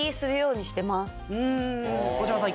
児嶋さん